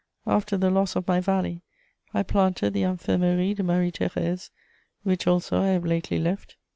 After the loss of my Valley, I planted the Infirmerie de Marie Thérèse, which also I have lately left.